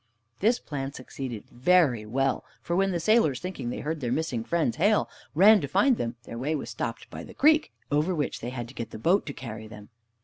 This plan succeeded very well, for when the sailors, thinking they heard their missing friends hail, ran to find them, their way was stopped by the creek, over which they had to get the boat to carry them.